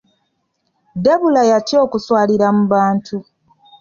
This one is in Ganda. Debula yatya okuswalira mu bantu.